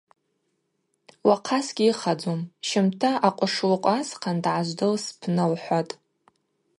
Уахъа сгьйыхадзум, щымта акъвышлыкъв асхъан дгӏажвдыл спны, – лхӏватӏ.